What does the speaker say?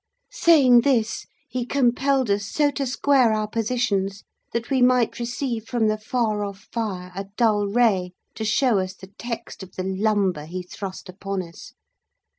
"Saying this, he compelled us so to square our positions that we might receive from the far off fire a dull ray to show us the text of the lumber he thrust upon us.